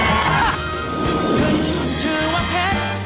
ภูมิชื่อว่าเผ็ด